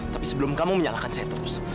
tapi sebelum kamu menyalahkan saya terus